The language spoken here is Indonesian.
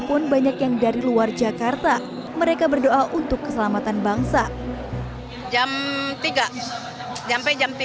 pun banyak yang dari luar jakarta mereka berdoa untuk keselamatan bangsa jam tiga sampai jam tiga